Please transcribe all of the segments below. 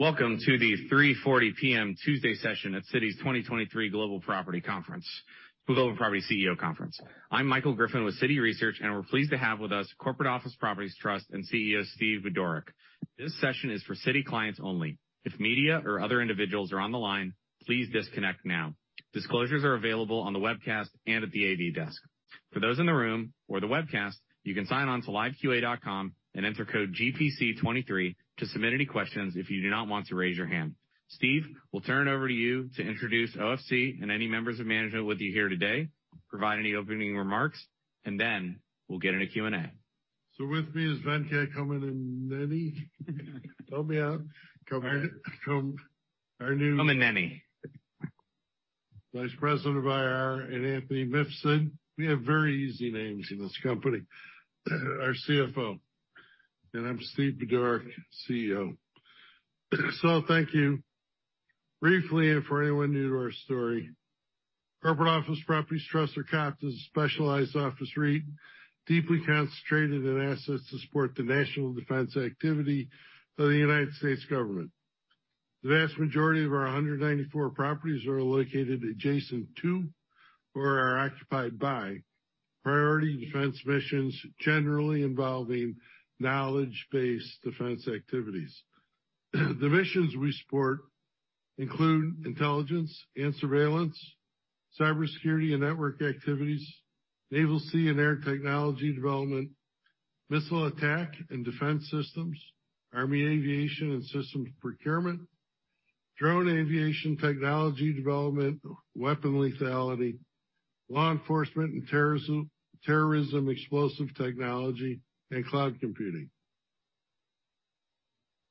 Welcome to the 3:40 P.M. Tuesday session at Citi's 2023 Global Property CEO Conference. I'm Michael Griffin with Citi Research, and we're pleased to have with us Corporate Office Properties Trust and CEO, Steve Budorick. This session is for Citi clients only. If media or other individuals are on the line, please disconnect now. Disclosures are available on the webcast and at the AV desk. For those in the room or the webcast, you can sign on to liveqa.com and enter code GPC23 to submit any questions if you do not want to raise your hand. Steve, we'll turn it over to you to introduce COPT and any members of management with you here today, provide any opening remarks, and then we'll get into Q&A. With me is Venkat, Kommineni, and Neni. Help me out. Kommineni. Kommineni. Our new- Kommineni. Vice President of IR, Anthony Mifsud. We have very easy names in this company. Our CFO. I'm Steve Budorick, CEO. Thank you. Briefly, and for anyone new to our story, Corporate Office Properties Trust, or COPT, is a specialized office REIT, deeply concentrated in assets to support the national defense activity of the United States government. The vast majority of our 194 properties are located adjacent to or are occupied by priority defense missions, generally involving knowledge-based defense activities. The missions we support include intelligence and surveillance, cybersecurity and network activities, naval sea and air technology development, missile attack and defense systems, Army aviation and systems procurement, drone aviation technology development, weapon lethality, law enforcement and terrorism, explosive technology, and cloud computing.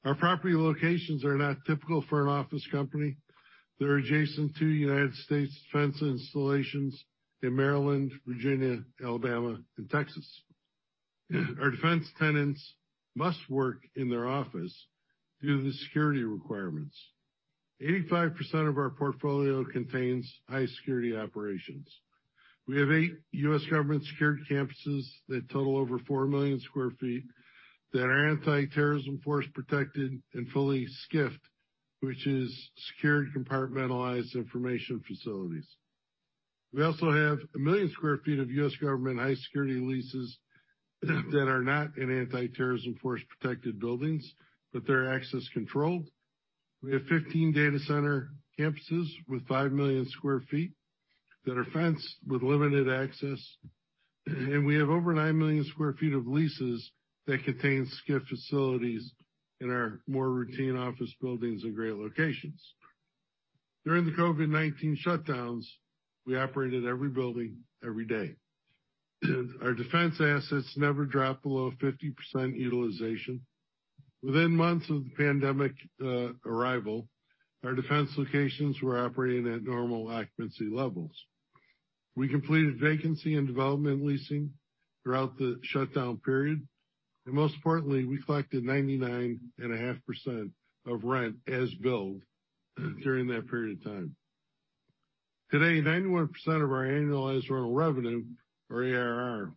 Our property locations are not typical for an office company. They're adjacent to United States defense installations in Maryland, Virginia, Alabama, and Texas. Our defense tenants must work in their office due to the security requirements. 85% of our portfolio contains high security operations. We have 8 U.S. government-secured campuses that total over 4 million sq ft that are Anti-terrorism Force Protected and fully SCIFed, which is secured compartmentalized information facilities. We also have 1 million sq ft of U.S. government high security leases that are not in Anti-terrorism Force Protected buildings, but they're access controlled. We have 15 data center campuses with 5 million sq ft that are fenced with limited access. We have over 9 million sq ft of leases that contain SCIF facilities in our more routine office buildings and great locations. During the COVID-19 shutdowns, we operated every building every day. Our defense assets never dropped below 50% utilization. Within months of the pandemic arrival, our defense locations were operating at normal occupancy levels. We completed vacancy and development leasing throughout the shutdown period, and most importantly, we collected 99 and a half % of rent as billed during that period of time. Today, 91% of our annualized rental revenue, or ARR,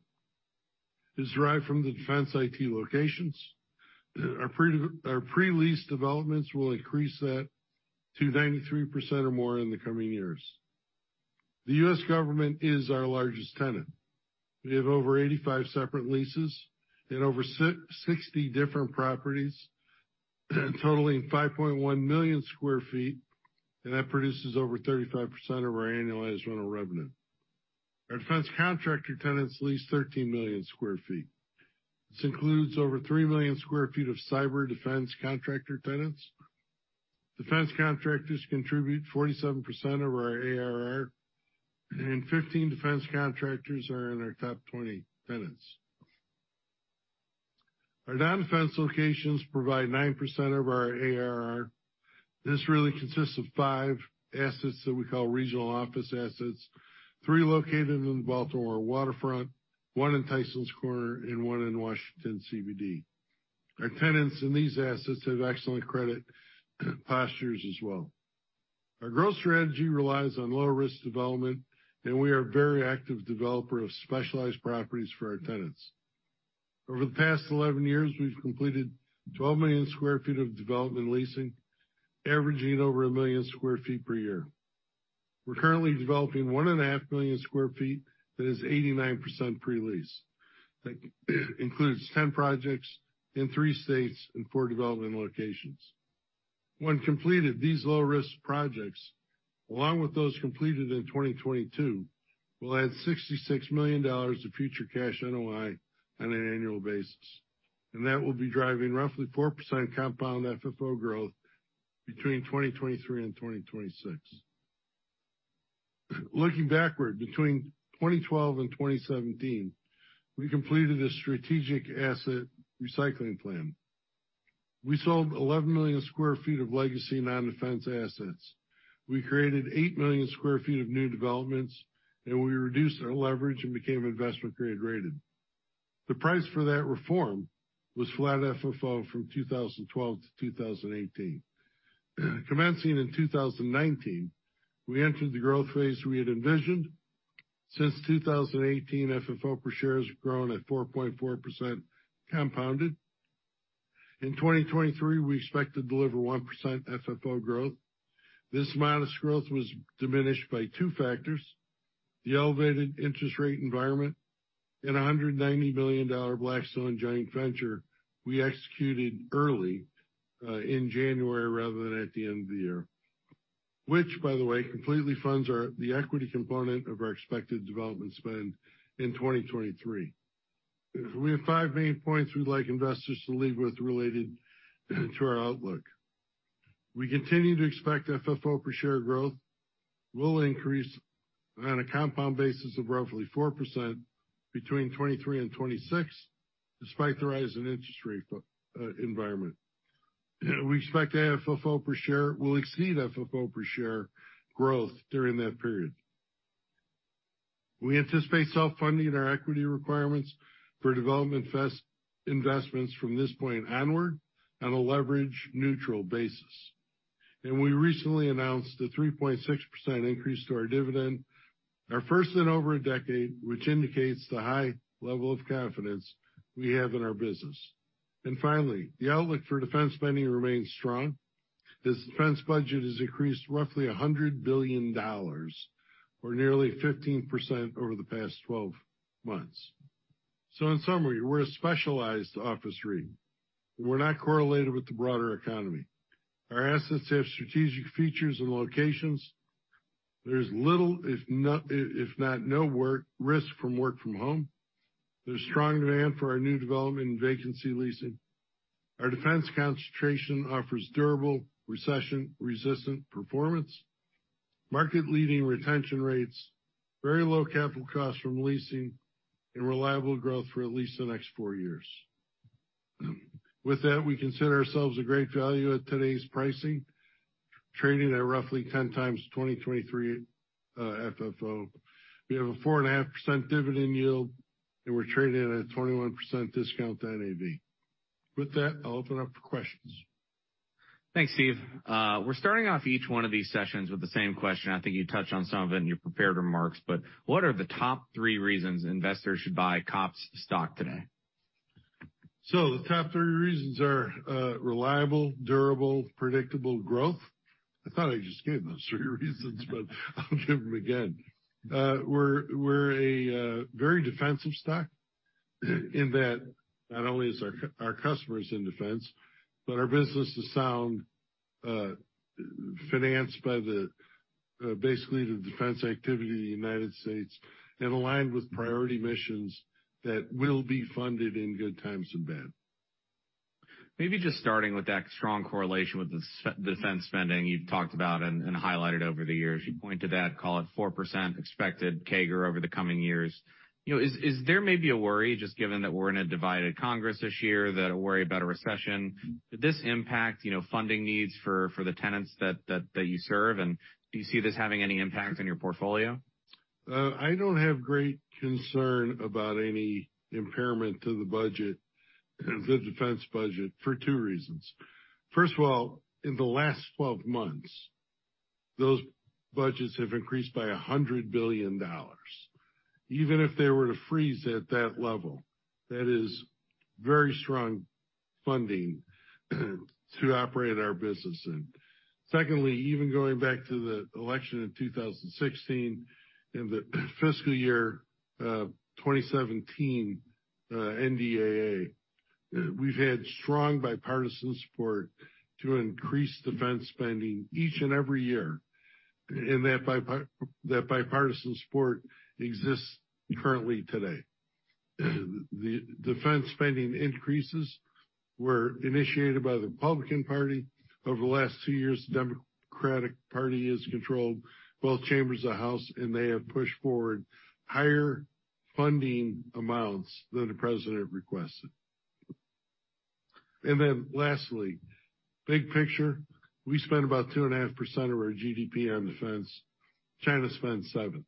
is derived from the defense IT locations. Our pre-lease developments will increase that to 93% or more in the coming years. The U.S. government is our largest tenant. We have over 85 separate leases and over 60 different properties totaling 5.1 million sq ft, and that produces over 35% of our annualized rental revenue. Our defense contractor tenants lease 13 million sq ft. This includes over 3 million sq ft of cyber defense contractor tenants. Defense contractors contribute 47% of our ARR, and 15 defense contractors are in our top 20 tenants. Our non-defense locations provide 9% of our ARR. This really consists of five assets that we call regional office assets, three located in the Baltimore waterfront, one in Tysons Corner, and one in Washington CBD. Our tenants in these assets have excellent credit postures as well. Our growth strategy relies on low risk development, and we are a very active developer of specialized properties for our tenants. Over the past 11 years, we've completed 12 million sq ft of development leasing, averaging over 1 million sq ft per year. We're currently developing 1.5 million sq ft, that is 89% pre-lease. That includes 10 projects in three states and four development locations. When completed, these low risk projects, along with those completed in 2022, will add $66 million to future cash NOI on an annual basis. That will be driving roughly 4% compound FFO growth between 2023 and 2026. Looking backward, between 2012 and 2017, we completed a strategic asset recycling plan. We sold 11 million sq ft of legacy non-defense assets. We created 8 million sq ft of new developments. We reduced our leverage and became investment grade rated. The price for that reform was flat FFO from 2012 to 2018. Commencing in 2019, we entered the growth phase we had envisioned. Since 2018, FFO per share has grown at 4.4% compounded. In 2023, we expect to deliver 1% FFO growth. This modest growth was diminished by two factors: the elevated interest rate environment and a $190 million Blackstone joint venture we executed early in January rather than at the end of the year, which, by the way, completely funds the equity component of our expected development spend in 2023. We have five main points we'd like investors to leave with related to our outlook. We continue to expect FFO per share growth will increase on a compound basis of roughly 4% between 2023 and 2026, despite the rise in interest rate environment. We expect AFFO per share will exceed FFO per share growth during that period. We anticipate self-funding our equity requirements for development investments from this point onward on a leverage neutral basis. We recently announced a 3.6% increase to our dividend, our first in over a decade, which indicates the high level of confidence we have in our business. Finally, the outlook for defense spending remains strong. This defense budget has increased roughly $100 billion, or nearly 15% over the past 12 months. In summary, we're a specialized office REIT. We're not correlated with the broader economy. Our assets have strategic features and locations. There's little, if not, no risk from work from home. There's strong demand for our new development and vacancy leasing. Our defense concentration offers durable recession-resistant performance, market-leading retention rates, very low capital costs from leasing and reliable growth for at least the next 4 years. With that, we consider ourselves a great value at today's pricing, trading at roughly 10 times 2023 FFO. We have a 4.5% dividend yield, we're trading at a 21% discount to NAV. With that, I'll open up for questions. Thanks, Steve. We're starting off each one of these sessions with the same question. I think you touched on some of it in your prepared remarks. What are the top three reasons investors should buy COPT stock today? The top 3 reasons are reliable, durable, predictable growth. I thought I just gave those 3 reasons, but I'll give them again. We're a very defensive stock in that not only is our customers in defense, but our business is sound, financed by the basically the defense activity in the United States and aligned with priority missions that will be funded in good times and bad. Maybe just starting with that strong correlation with defense spending you've talked about and highlighted over the years. You pointed out, call it 4% expected CAGR over the coming years. You know, is there maybe a worry, just given that we're in a divided Congress this year, that a worry about a recession? Could this impact, you know, funding needs for the tenants that you serve? Do you see this having any impact on your portfolio? I don't have great concern about any impairment to the budget, the defense budget, for 2 reasons. First of all, in the last 12 months, those budgets have increased by $100 billion. Even if they were to freeze at that level, that is very strong funding to operate our business in. Secondly, even going back to the election in 2016, in the fiscal year 2017 NDAA, we've had strong bipartisan support to increase defense spending each and every year, and that bipartisan support exists currently today. The defense spending increases were initiated by the Republican Party. Over the last 2 years, the Democratic Party has controlled both chambers of the House, and they have pushed forward higher funding amounts than the president requested. Lastly, big picture, we spend about 2.5% of our GDP on defense. China spends 7%.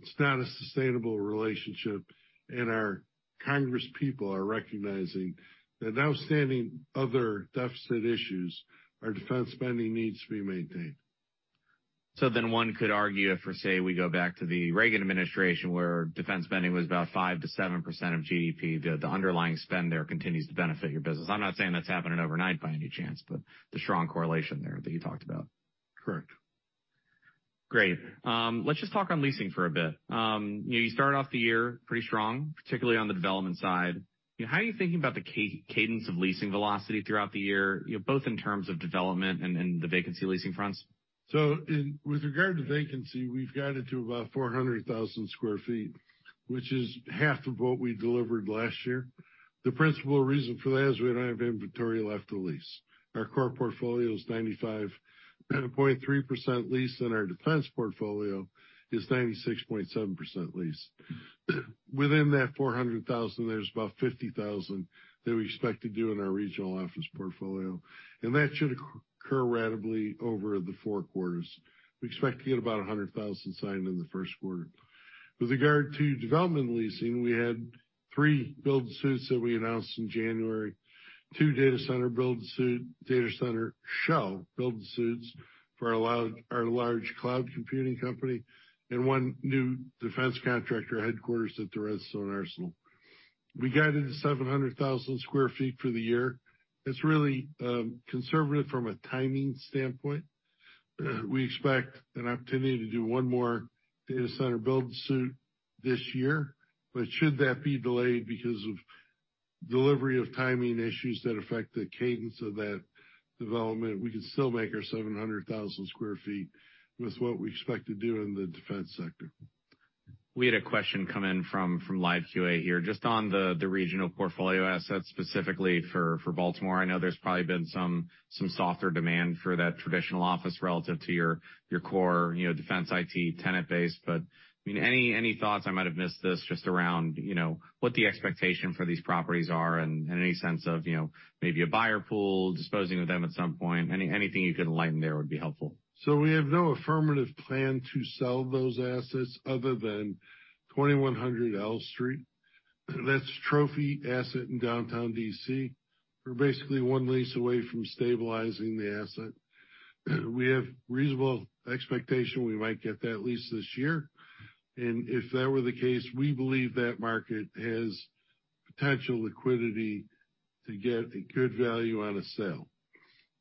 It's not a sustainable relationship, and our congresspeople are recognizing that outstanding other deficit issues, our defense spending needs to be maintained. One could argue if, for say, we go back to the Reagan administration, where defense spending was about 5%-7% of GDP, the underlying spend there continues to benefit your business. I'm not saying that's happening overnight by any chance, but the strong correlation there that you talked about. Correct. Great. let's just talk on leasing for a bit. You know, you started off the year pretty strong, particularly on the development side. You know, how are you thinking about the cadence of leasing velocity throughout the year, you know, both in terms of development and the vacancy leasing fronts? With regard to vacancy, we've guided to about 400,000 sq ft, which is half of what we delivered last year. The principal reason for that is we don't have inventory left to lease. Our core portfolio is 95.3% leased, and our defense portfolio is 96.7% leased. Within that 400,000, there's about 50,000 that we expect to do in our regional office portfolio, and that should occur ratably over the 4 quarters. We expect to get about 100,000 signed in the first quarter. With regard to development leasing, 3 build suits that we announced in January. 2 data center shell build suits for our large cloud computing company and 1 new defense contractor headquarters at the Redstone Arsenal. We guided the 700,000 sq ft for the year. It's really conservative from a timing standpoint. We expect an opportunity to do one more data center build suit this year. Should that be delayed because of delivery of timing issues that affect the cadence of that development, we can still make our 700,000 sq ft with what we expect to do in the defense sector. We had a question come in from Live Q&A here, just on the regional portfolio assets, specifically for Baltimore. I know there's probably been some softer demand for that traditional office relative to your core, you know, defense IT tenant base. I mean, any thoughts, I might have missed this, just around, you know, what the expectation for these properties are and any sense of, you know, maybe a buyer pool disposing of them at some point? Anything you can enlighten there would be helpful. We have no affirmative plan to sell those assets other than 2100 L Street. That's trophy asset in downtown D.C. We're basically 1 lease away from stabilizing the asset. We have reasonable expectation we might get that lease this year. If that were the case, we believe that market has potential liquidity to get a good value on a sale.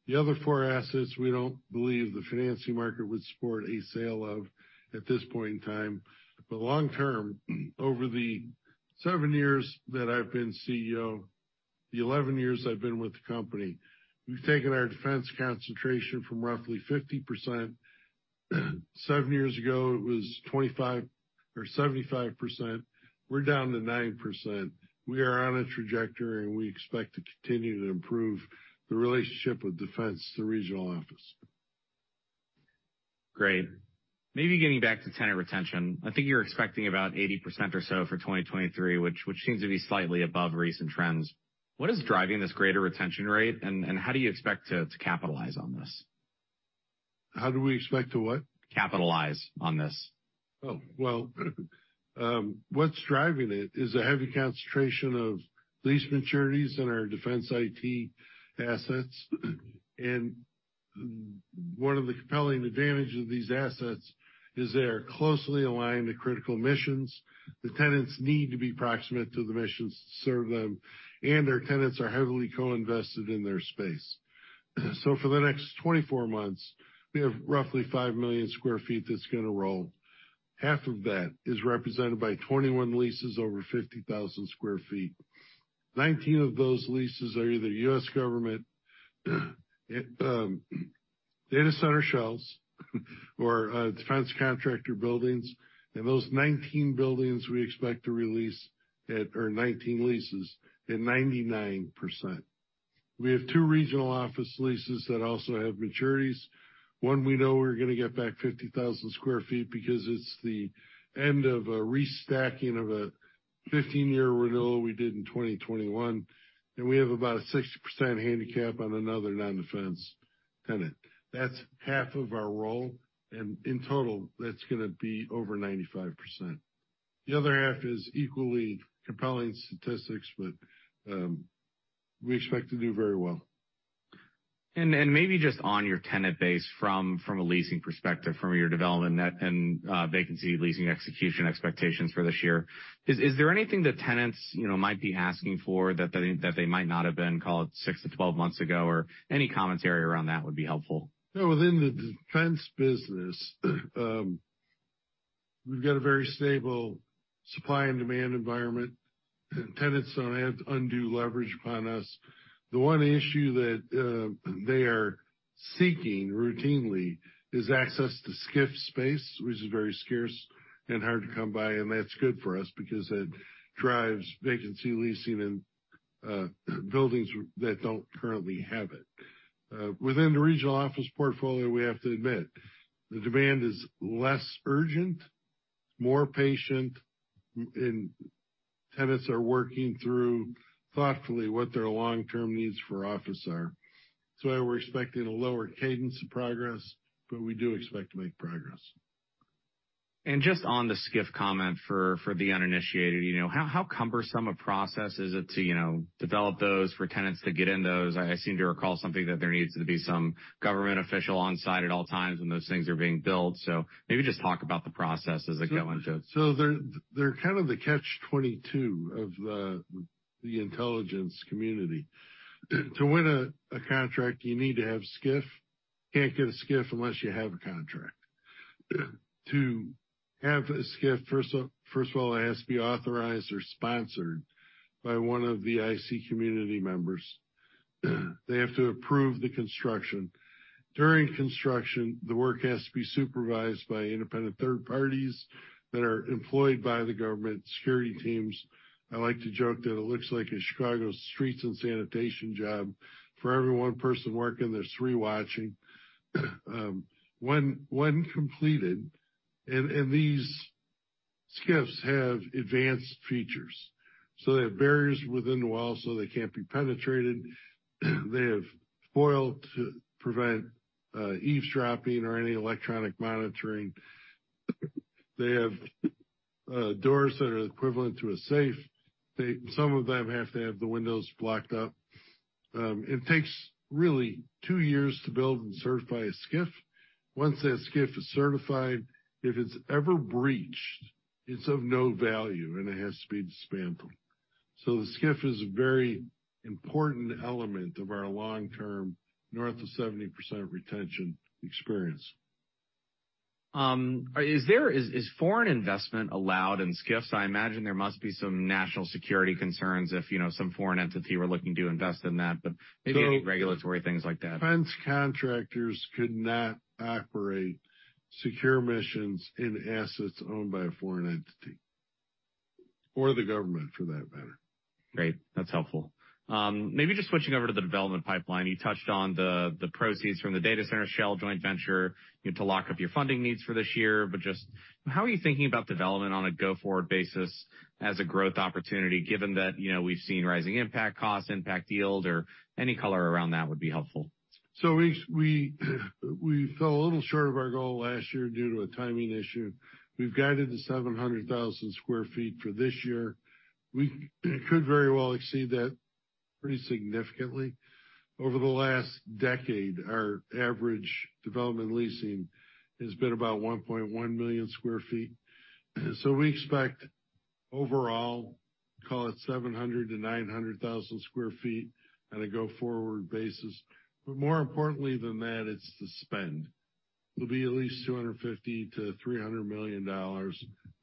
The other 4 assets, we don't believe the financing market would support a sale of at this point in time. Long term, over the 7 years that I've been CEO, the 11 years I've been with the company, we've taken our defense concentration from roughly 50%. 7 years ago, it was 25% or 75%. We're down to 9%. We are on a trajectory, we expect to continue to improve the relationship with defense, the regional office. Great. Maybe getting back to tenant retention. I think you're expecting about 80% or so for 2023, which seems to be slightly above recent trends. What is driving this greater retention rate and, how do you expect to capitalize on this? How do we expect to what? Capitalize on this. What's driving it is a heavy concentration of lease maturities in our defense IT assets. One of the compelling advantage of these assets is they are closely aligned to critical missions. The tenants need to be proximate to the missions to serve them, and our tenants are heavily co-invested in their space. For the next 24 months, we have roughly 5 million sq ft that's gonna roll. Half of that is represented by 21 leases over 50,000 sq ft. 19 of those leases are either US government data center shells or defense contractor buildings. Those 19 leases we expect to release at 99%. We have 2 regional office leases that also have maturities. We know we're gonna get back 50,000 sq ft because it's the end of a restacking of a 15-year renewal we did in 2021, and we have about a 60% handicap on another non-defense tenant. That's half of our role. In total, that's gonna be over 95%. The other half is equally compelling statistics. We expect to do very well. Maybe just on your tenant base from a leasing perspective, from your development net and vacancy leasing execution expectations for this year. Is there anything that tenants, you know, might be asking for that they might not have been, call it six to twelve months ago? Or any commentary around that would be helpful. Within the defense business, we've got a very stable supply and demand environment. Tenants don't have undue leverage upon us. The one issue that they are seeking routinely is access to SCIF space, which is very scarce and hard to come by, and that's good for us because it drives vacancy leasing and buildings that don't currently have it. Within the regional office portfolio, we have to admit, the demand is less urgent, more patient, and tenants are working through thoughtfully what their long-term needs for office are. We're expecting a lower cadence of progress, but we do expect to make progress. Just on the SCIF comment for the uninitiated, you know, how cumbersome a process is it to, you know, develop those for tenants to get in those? I seem to recall something that there needs to be some government official on-site at all times when those things are being built, maybe just talk about the process as it goes on. They're kind of the catch twenty-two of the intelligence community. To win a contract, you need to have SCIF. Can't get a SCIF unless you have a contract. To have a SCIF, first of all, it has to be authorized or sponsored by one of the IC community members. They have to approve the construction. During construction, the work has to be supervised by independent third parties that are employed by the government security teams. I like to joke that it looks like a Chicago streets and sanitation job. For every one person working there's three watching. When completed. And these SCIFs have advanced features, so they have barriers within the well, so they can't be penetrated. They have foil to prevent eavesdropping or any electronic monitoring. They have doors that are equivalent to a safe. Some of them have to have the windows blocked out. It takes really 2 years to build and certify a SCIF. Once that SCIF is certified, if it's ever breached, it's of no value, and it has to be dismantled. The SCIF is a very important element of our long-term north of 70% retention experience. Is, is foreign investment allowed in SCIFs? I imagine there must be some national security concerns if, you know, some foreign entity were looking to invest in that, but maybe any regulatory things like that. Defense contractors could not operate secure missions in assets owned by a foreign entity or the government, for that matter. Great. That's helpful. Maybe just switching over to the development pipeline. You touched on the proceeds from the data center shell joint venture you had to lock up your funding needs for this year. Just how are you thinking about development on a go-forward basis as a growth opportunity, given that, you know, we've seen rising impact costs, impact yield, or any color around that would be helpful? We fell a little short of our goal last year due to a timing issue. We've guided the 700,000 sq ft for this year. We could very well exceed that pretty significantly. Over the last decade, our average development leasing has been about 1.1 million sq ft. We expect overall, call it 700,000-900,000 sq ft on a go-forward basis. More importantly than that, it's the spend. It'll be at least $250 million-$300 million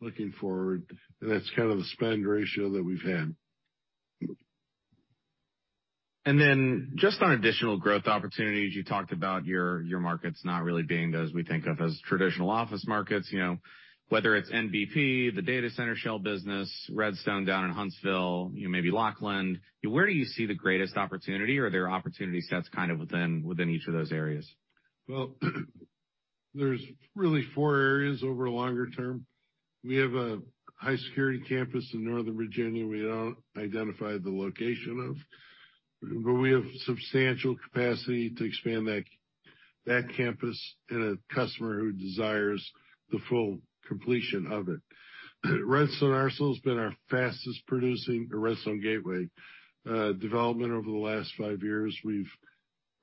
looking forward, and that's kind of the spend ratio that we've had. Just on additional growth opportunities, you talked about your markets not really being as we think of as traditional office markets, you know, whether it's NBP, the data center shell business, Redstone down in Huntsville, you know, maybe Lackland. Where do you see the greatest opportunity, or are there opportunity sets kind of within each of those areas? Well, there's really 4 areas over longer term. We have a high security campus in Northern Virginia we don't identify the location of, but we have substantial capacity to expand that campus and a customer who desires the full completion of it. Redstone Arsenal has been our fastest producing, Redstone Gateway, development over the last 5 years.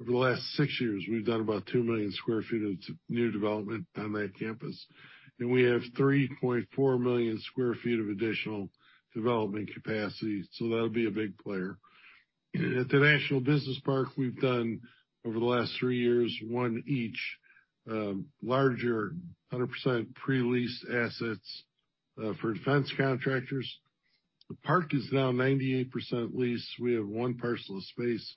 Over the last 6 years, we've done about 2 million square feet of new development on that campus, and we have 3.4 million square feet of additional development capacity. That'll be a big player. At The National Business Park, we've done over the last 3 years, 1 each, larger 100% pre-leased assets for defense contractors. The park is now 98% leased. We have 1 parcel of space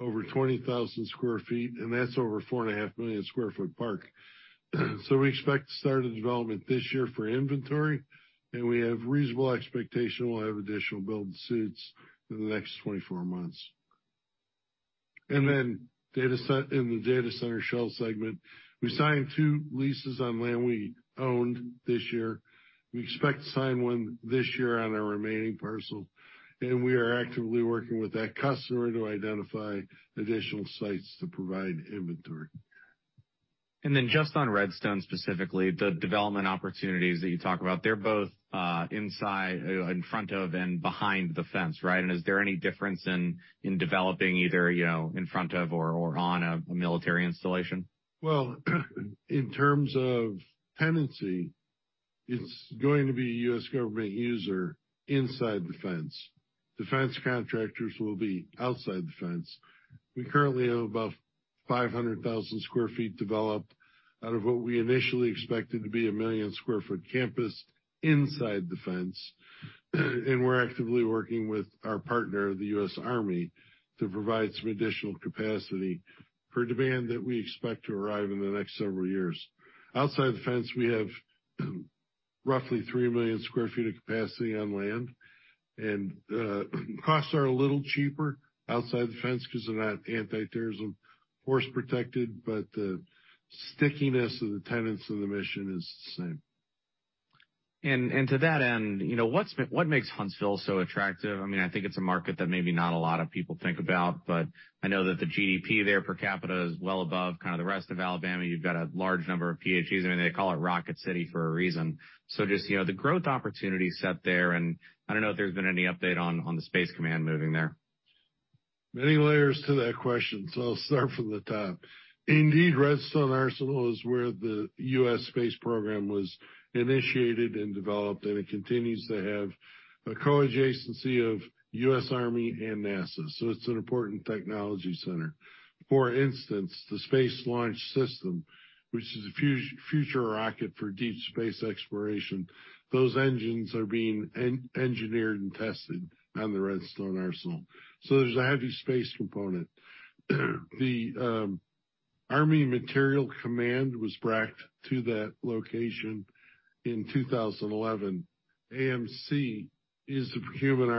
over 20,000 square feet, and that's over 4.5 million square foot park. We expect to start a development this year for inventory, and we have reasonable expectation we'll have additional build suits in the next 24 months. In the data center shell segment, we signed two leases on land we owned this year. We expect to sign one this year on our remaining parcel, and we are actively working with that customer to identify additional sites to provide inventory. Then just on Redstone, specifically, the development opportunities that you talk about, they're both inside, in front of and behind the fence, right? Is there any difference in developing either, you know, in front of or on a military installation? Well, in terms of tenancy, it's going to be a U.S. government user inside the fence. Defense contractors will be outside the fence. We currently have about 500,000 sq ft developed out of what we initially expected to be a 1 million sq ft campus inside the fence. We're actively working with our partner, the United States Army, to provide some additional capacity for demand that we expect to arrive in the next several years. Outside the fence, we have roughly 3 million sq ft of capacity on land, costs are a little cheaper outside the fence because they're not Anti-terrorism Force Protection protected, but the stickiness of the tenants of the mission is the same. To that end, you know, what's, what makes Huntsville so attractive? I mean, I think it's a market that maybe not a lot of people think about, but I know that the GDP there per capita is well above kind of the rest of Alabama. You've got a large number of PhDs. I mean, they call it Rocket City for a reason. Just, you know, the growth opportunities set there, and I don't know if there's been any update on the Space Command moving there. Many layers to that question, so I'll start from the top. Indeed, Redstone Arsenal is where the US Space program was initiated and developed, and it continues to have a co-adjacency of US Army and NASA. It's an important technology center. For instance, the Space Launch System, which is a future rocket for deep space exploration, those engines are being engineered and tested on the Redstone Arsenal. There's a heavy space component. The Army Materiel Command was BRAC to that location in 2011. AMC is the procurement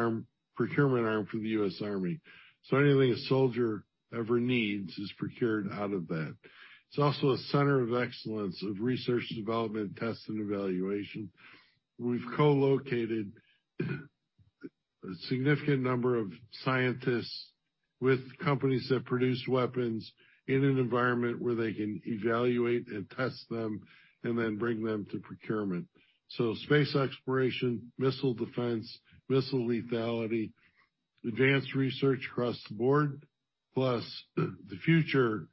arm for the US Army. Anything a soldier ever needs is procured out of that. It's also a center of excellence of research, development, test, and evaluation. We've co-located a significant number of scientists with companies that produce weapons in an environment where they can evaluate and test them and then bring them to procurement. Space exploration, missile defense, missile lethality, advanced research across the board, plus the future,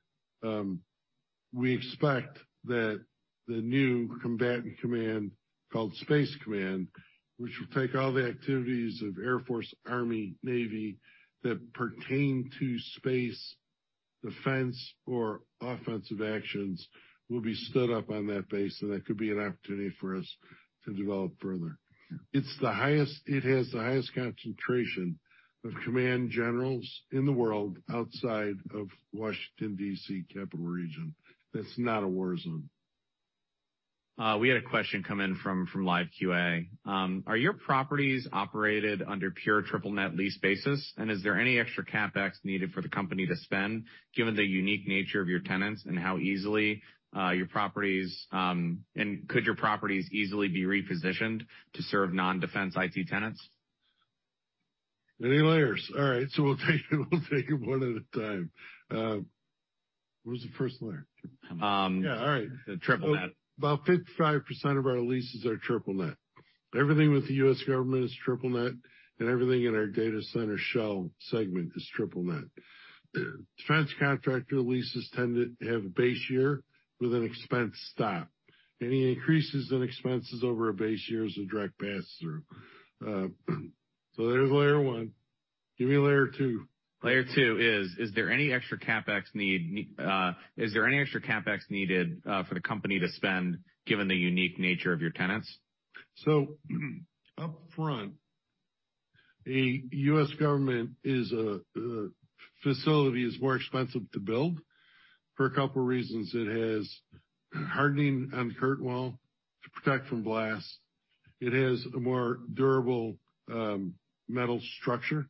we expect that the new combatant command called Space Command, which will take all the activities of Air Force, Army, Navy that pertain to space defense or offensive actions, will be stood up on that base, and that could be an opportunity for us to develop further. It has the highest concentration of command generals in the world outside of Washington, D.C., Capital Region. That's not a war zone. We had a question come in from Live Q&A. Are your properties operated under pure triple net lease basis? Is there any extra CapEx needed for the company to spend given the unique nature of your tenants? Could your properties easily be repositioned to serve non-defense IT tenants? Many layers. All right, we'll take them one at a time. What was the first layer? Um- Yeah, all right. Triple net. About 55% of our leases are triple net. Everything with the U.S. government is triple net, and everything in our data center shell segment is triple net. Defense contractor leases tend to have a base year with an expense stop. Any increases in expenses over a base year is a direct pass-through. There's layer 1. Give me layer 2. Layer two is there any extra CapEx needed for the company to spend, given the unique nature of your tenants? Upfront, a U.S. government facility is more expensive to build for a couple reasons. It has hardening and curtain wall to protect from blast. It has a more durable metal structure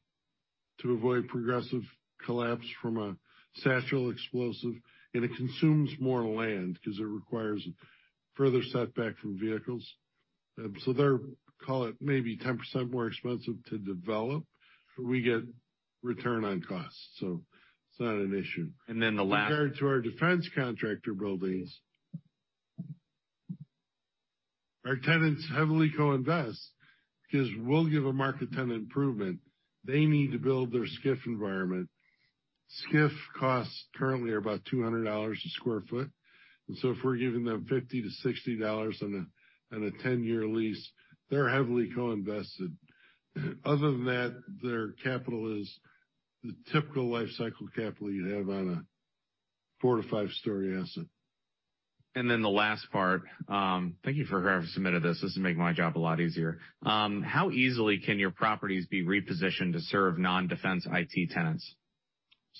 to avoid progressive collapse from a satchel explosive, and it consumes more land because it requires further setback from vehicles. They're, call it, maybe 10% more expensive to develop. We get return on cost, so it's not an issue. And then the last- Compared to our defense contractor buildings, our tenants heavily co-invest because we'll give a market tenant improvement. They need to build their SCIF environment. SCIF costs currently are about $200 a sq ft. If we're giving them $50-$60 on a 10-year lease, they're heavily co-invested. Other than that, their capital is the typical life cycle capital you'd have on a four to five story asset. The last part, thank you, whoever submitted this. This is making my job a lot easier. How easily can your properties be repositioned to serve non-defense IT tenants?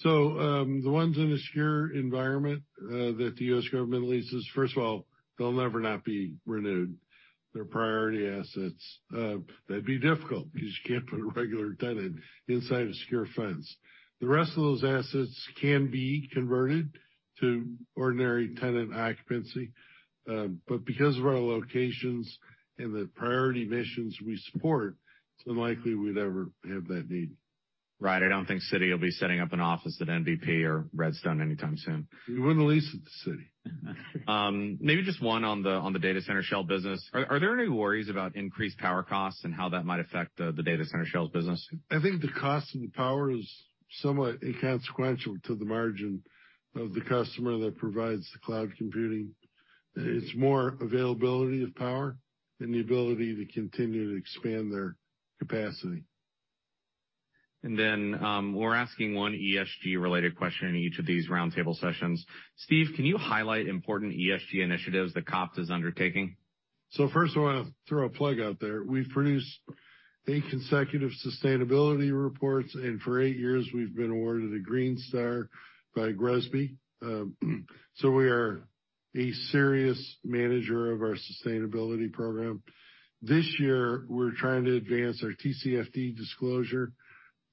The ones in the secure environment that the U.S. government leases, first of all, they'll never not be renewed. They're priority assets. That'd be difficult because you can't put a regular tenant inside a secure fence. The rest of those assets can be converted to ordinary tenant occupancy. Because of our locations and the priority missions we support, it's unlikely we'd ever have that need. Right. I don't think Citi will be setting up an office at NVP or Redstone anytime soon. We wouldn't lease it to Citi. Maybe just one on the data center shell business. Are there any worries about increased power costs and how that might affect the data center shells business? I think the cost of the power is somewhat inconsequential to the margin of the customer that provides the cloud computing. It's more availability of power and the ability to continue to expand their capacity. Then, we're asking one ESG related question in each of these roundtable sessions. Steve, can you highlight important ESG initiatives that COPT is undertaking? First I want to throw a plug out there. We've produced 8 consecutive sustainability reports, and for 8 years we've been awarded a green star by GRESB. We are a serious manager of our sustainability program. This year, we're trying to advance our TCFD disclosure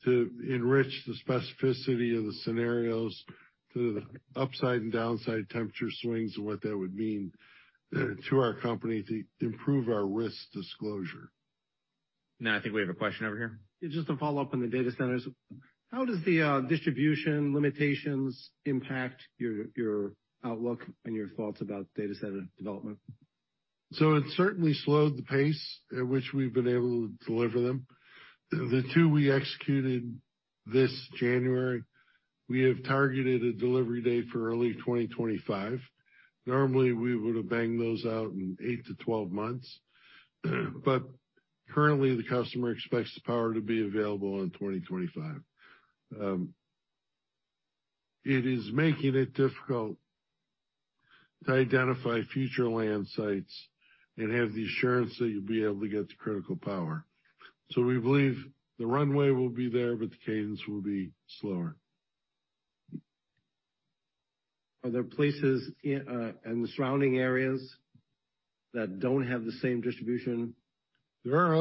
to enrich the specificity of the scenarios to the upside and downside temperature swings and what that would mean to our company to improve our risk disclosure. I think we have a question over here. Just a follow-up on the data centers. How does the distribution limitations impact your outlook and your thoughts about data center development? It certainly slowed the pace at which we've been able to deliver them. The two we executed this January, we have targeted a delivery date for early 2025. Normally, we would have banged those out in 8 to 12 months. Currently, the customer expects the power to be available in 2025. It is making it difficult to identify future land sites and have the assurance that you'll be able to get the critical power. We believe the runway will be there, but the cadence will be slower. Are there places in the surrounding areas that don't have the same distribution? There are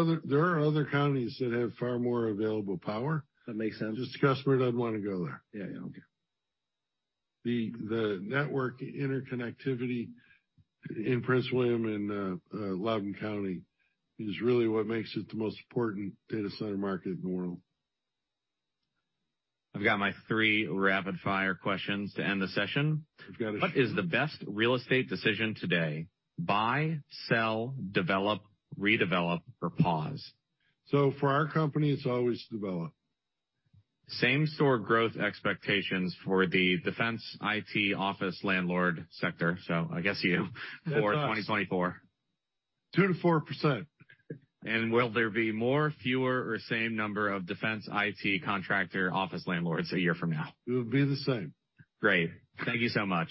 other counties that have far more available power. That makes sense. Just the customer doesn't want to go there. Yeah. Yeah. Okay. The network interconnectivity in Prince William and Loudoun County is really what makes it the most important data center market in the world. I've got my three rapid fire questions to end the session. You've got to- What is the best real estate decision today: buy, sell, develop, redevelop, or pause? For our company, it's always develop. Same store growth expectations for the defense IT office landlord sector. I guess you for 2024. 2%-4%. Will there be more, fewer, or same number of defense IT contractor office landlords a year from now? It will be the same. Great. Thank you so much.